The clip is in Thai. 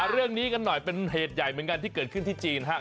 เรื่องนี้กันหน่อยเป็นเหตุใหญ่เหมือนกันที่เกิดขึ้นที่จีนครับ